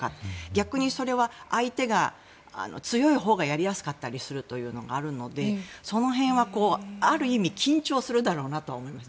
逆にそれは相手が強いほうがやりやすかったりするというのがあるのでその辺は、ある意味緊張するだろうなと思います。